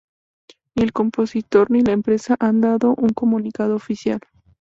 Ni el compositor ni la empresa han dado un comunicado oficial.